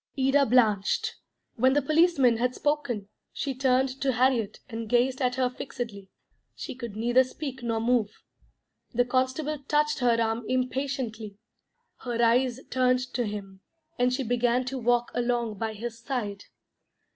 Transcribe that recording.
Ida blanched. When the policeman had spoken, she turned to Harriet, and gazed at her fixedly. She could neither speak nor move. The constable touched her arm impatiently. Her eyes turned to him, and she began to walk along by his side.